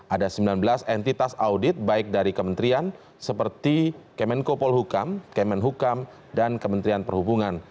ada sembilan belas entitas audit baik dari kementerian seperti kemenkopol hukam kemen hukam dan kementerian perhubungan